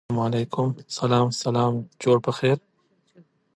زه د ژوند په شکايت يم، ته له مرگه په شکوه يې.